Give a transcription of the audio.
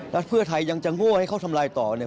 แล้วเพื่อไทยยังจะโง่ให้เขาทำลายต่อเนี่ย